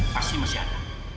pasti masih ada